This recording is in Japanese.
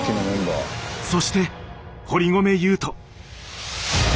そして堀米雄斗。